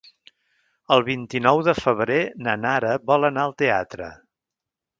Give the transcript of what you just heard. El vint-i-nou de febrer na Nara vol anar al teatre.